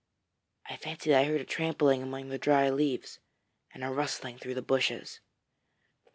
'I fancied I heard a trampling among the dry leaves and a rustling through the bushes.'